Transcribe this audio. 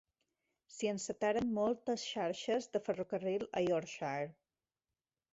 S'hi encetaren moltes xarxes de ferrocarril a Yorkshire.